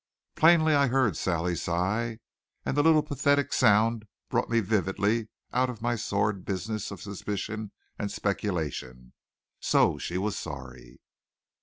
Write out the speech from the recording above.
Plainly I heard Sally's sigh, and the little pathetic sound brought me vividly out of my sordid business of suspicion and speculation. So she was sorry.